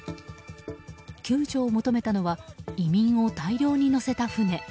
救助を求めたのは移民を大量に乗せた船。